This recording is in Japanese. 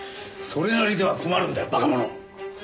それなりでは困るんだよ馬鹿者！